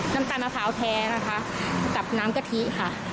น้ำตาลมะพร้าวแท้นะคะกับน้ำกะทิค่ะ